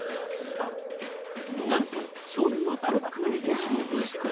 なんと、少年はトラック運転手の息子。